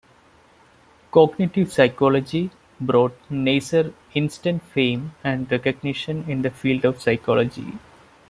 "Cognitive Psychology" brought Neisser instant fame and recognition in the field of psychology.